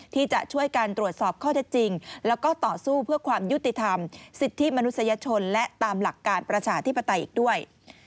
ที่จะช่วยการตรวจสอบข้อเท็จจริงแล้วก็ต่อสู้เพื่อความยุติธรรมสิทธิมนุษยชนและตามหลักการประชาธิปไตยอีกด้วย